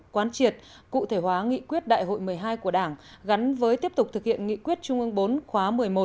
quán triệt cụ thể hóa nghị quyết đại hội một mươi hai của đảng gắn với tiếp tục thực hiện nghị quyết trung ương bốn khóa một mươi một